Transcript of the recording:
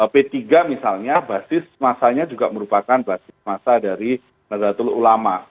p tiga misalnya basis masanya juga merupakan basis masa dari nadatul ulama